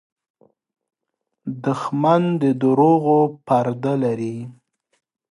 دښمن د دروغو پرده لري